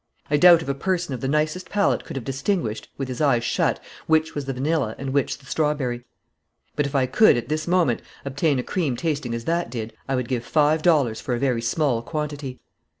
I doubt if a person of the nicest palate could have distinguished, with his eyes shut, which was the vanilla and which the strawberry; but if I could at this moment obtain a cream tasting as that did, I would give five dollars for a very small quantity.